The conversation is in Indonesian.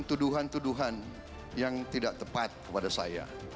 tuduhan tuduhan yang tidak tepat kepada saya